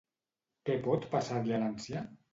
Què pot passar-li a l'ancià?